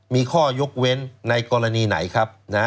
มีข้อยกเว้นในกรณีไหนครับ